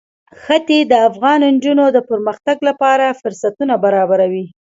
ښتې د افغان نجونو د پرمختګ لپاره فرصتونه برابروي.